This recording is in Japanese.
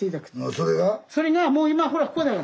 それがもう今ほらこうだから。